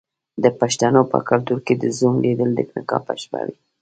د پښتنو په کلتور کې د زوم لیدل د نکاح په شپه وي.